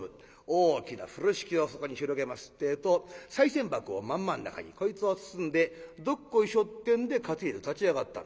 大きな風呂敷をそこに広げますってぇとさい銭箱を真ん真ん中にこいつを包んでどっこいしょってんで担いで立ち上がった。